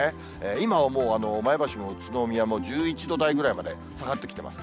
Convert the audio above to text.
今はもう前橋も宇都宮も１１度台ぐらいまで下がってきてます。